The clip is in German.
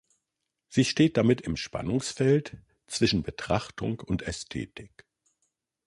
Sie steht damit im Spannungsfeld zwischen Betrachtung und Ästhetik.